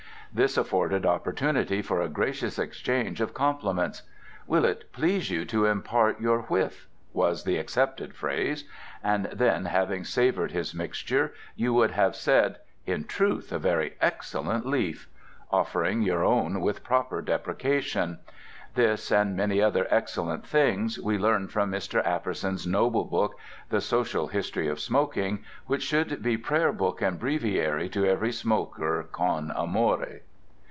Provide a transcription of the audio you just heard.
This afforded opportunity for a gracious exchange of compliments. "Will it please you to impart your whiff?" was the accepted phrase. And then, having savored his mixture, you would have said: "In truth, a very excellent leaf," offering your own with proper deprecations. This, and many other excellent things, we learn from Mr. Apperson's noble book "The Social History of Smoking," which should be prayer book and breviary to every smoker con amore.